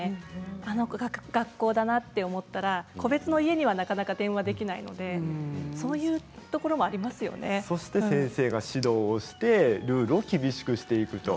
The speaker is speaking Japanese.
あの学校だなと思ったら個別の家にはなかなか電話はできないのでそして先生が指導をしてルールを厳しくしていく。